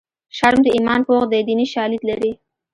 شرم د ایمان پوښ دی دیني شالید لري